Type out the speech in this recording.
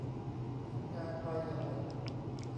ทำงานไป อย่าบ่น